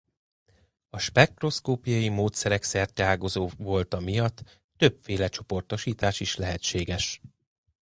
A spektroszkópiai módszerek szerteágazó volta miatt többféle csoportosítás is lehetséges.